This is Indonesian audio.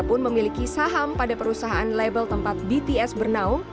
pun memiliki saham pada perusahaan label tempat bts bernaung